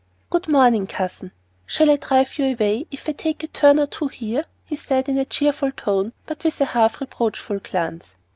"Good morning, cousin. Shall I drive you away, if I take a turn or two here?" he said, in a cheerful tone, but with a half reproachful glance.